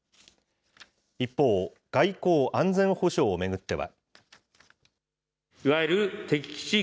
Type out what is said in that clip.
一方、外交・安全保障を巡っては。